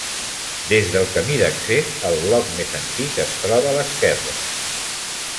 Des del camí d'accés, el bloc més antic es troba a l'esquerra.